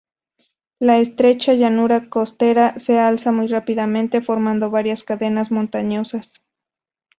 La estrecha llanura costera se alza muy rápidamente formando varias cadenas montañosas.